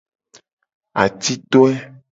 Atitoe.